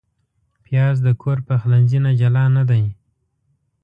پیاز د کور پخلنځي نه جلا نه دی